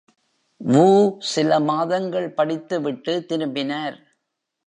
Wu சில மாதங்கள் படித்துவிட்டு திரும்பினார்.